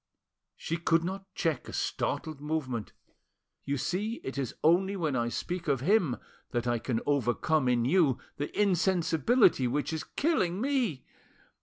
She could not check a startled movement. "You see it is only when I speak of him that I can overcome in you the insensibility which is killing me.